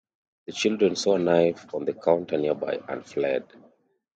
The children saw a knife on the counter nearby and fled.